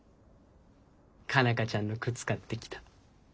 佳奈花ちゃんの靴買ってきた。